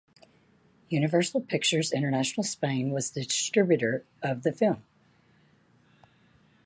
Universal Pictures International Spain was the distributor of the film.